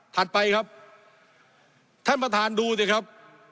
ไปครับท่านประธานดูสิครับ